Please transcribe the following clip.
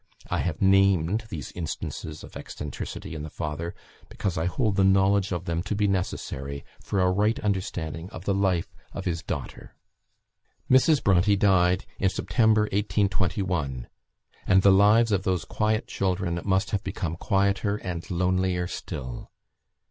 I have named these instances of eccentricity in the father because I hold the knowledge of them to be necessary for a right understanding of the life of his daughter. Mrs. Bronte died in September, 1821, and the lives of those quiet children must have become quieter and lonelier still.